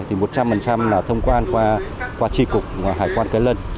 thì một trăm linh là thông quan qua tri cục hải quan cái lân